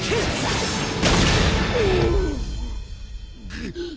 ぐっ。